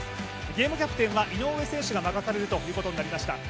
ゲームキャプテンは井上選手が任されることになりました。